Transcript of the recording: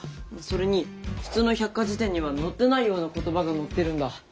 それに普通の百科事典には載ってないような言葉が載ってるんだ。